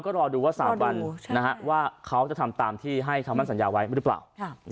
ก็รอดูว่า๓วันว่าเขาจะทำตามที่ให้คำมั่นสัญญาไว้หรือเปล่า